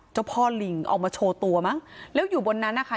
เจ้าพ่อลิงออกมาโชว์ตัวมั้งแล้วอยู่บนนั้นนะคะ